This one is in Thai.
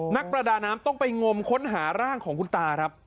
นักประดาน้ำต้องไปงมค้นหาร่างของคุณตาครับ